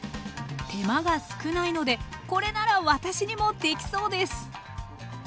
手間が少ないのでこれなら私にもできそうです！